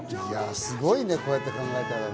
すごいね、こうやって考えるとね。